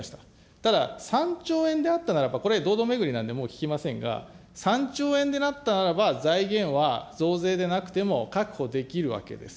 ただ、３兆円であったならば、これ堂々巡りなんでもう聞きませんが、３兆円であったならば、財源は増税でなくても確保できるわけです。